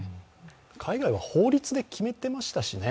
海外は法律で決めてましたしね。